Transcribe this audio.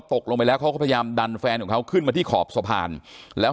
ตกลงไปแล้วเขาก็พยายามดันแฟนของเขาขึ้นมาที่ขอบสะพานแล้ว